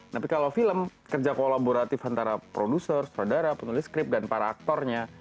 tapi kalau film kerja kolaboratif antara produser saudara penulis skript dan para aktornya